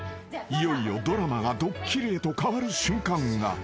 いよいよドラマがドッキリへと変わる瞬間が］